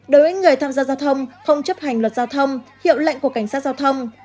đối với người tham gia giao thông không chấp hành luật giao thông hiệu lệnh của cảnh sát giao thông